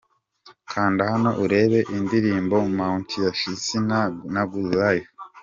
Kanda hano urebe indirimbo 'Mountain' ya Asinah na Good Life.